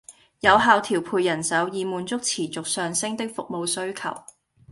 有效調配人手，以滿足持續上升的服務需求